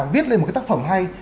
viết lên một cái tác phẩm hay